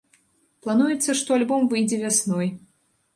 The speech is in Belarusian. Плануецца, што альбом выйдзе вясной.